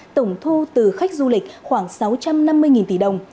tổng thu từ khách du lịch khoảng sáu trăm năm mươi tỷ đồng